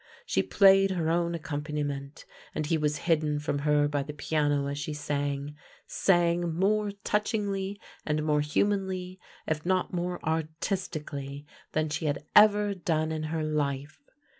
She played her own accompaniment, and he was hidden from her by the piano as she sang — sang more touchingly and more humanly, if not more artis tically, than she had ever done in her life.